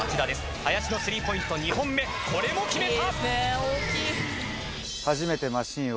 林のスリーポイント２本目、これも決めた。